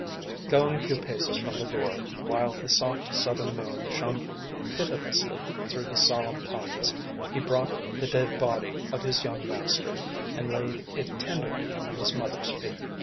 Going a few paces from the door, while the soft southern moon shone pitilessly through the solemn pines, he brought the dead body of his young master and laid it tenderly at his mother's feet.